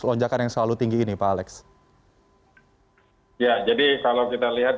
ya jadi kalau kita lihat